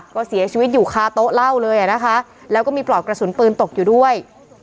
ก็เสียชีวิตอยู่คาโต๊ะเล่าเลยอ่ะนะคะแล้วก็มีปลอกกระสุนปืนตกอยู่ด้วย